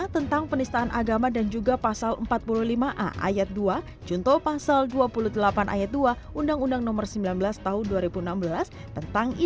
terapi orangnya yang berdasarkan ukuran ukuran hukum di mana